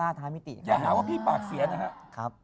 อย่าหาว่าพี่ปากเสียนะครับ